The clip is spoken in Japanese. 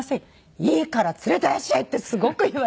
「いいから連れていらっしゃい！」ってすごく言われて。